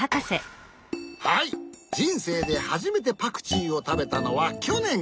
はいじんせいではじめてパクチーをたべたのはきょねん！